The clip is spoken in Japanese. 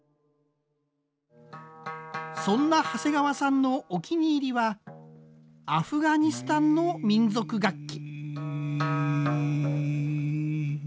そんな長谷川さんのお気に入りはアフガニスタンの民族楽器。